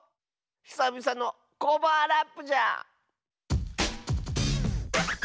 ひさびさのコバアラップじゃ！